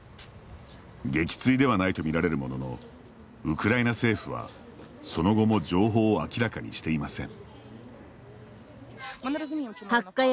撃墜ではないと見られるもののウクライナ政府はその後も情報を明らかにしていません。